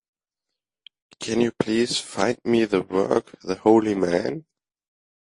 Can you please find me the work, The Holy Man?